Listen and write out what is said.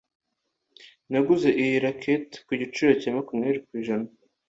naguze iyi racket ku giciro cya makumyabiri ku ijana